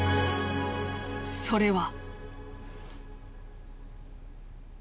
それは。